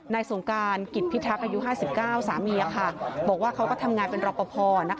สงการกิจพิทักษ์อายุ๕๙สามีบอกว่าเขาก็ทำงานเป็นรอปภ